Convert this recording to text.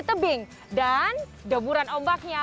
tebing dan deburan ombaknya